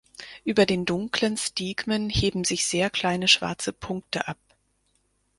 Über den dunklen Stigmen heben sich sehr kleine schwarze Punkte ab.